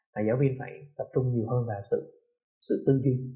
và giáo viên phải tập trung nhiều hơn vào sự tư duy